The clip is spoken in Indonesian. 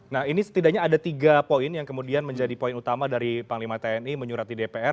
nah ini setidaknya ada tiga poin yang kemudian menjadi poin utama dari panglima tni menyurat di dpr